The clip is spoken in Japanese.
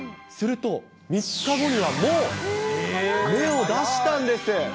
すると、３日後にはもう芽を出したんです。